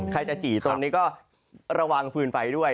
ใครจะจี่ตนนี้ก็ระวังฟืนไฟด้วย